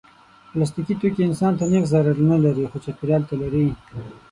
پلاستيکي توکي انسان ته نېغ ضرر نه لري، خو چاپېریال ته لري.